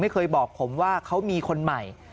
ไม่เคยบอกผมว่าเขามีคนใหม่